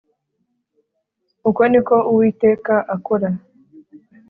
Uko ni ko Uwiteka akora.